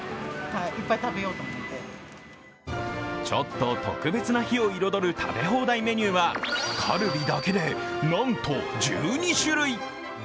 ちょっと特別な日を彩る食べ放題メニューはカルビだけで、なんと１２種類。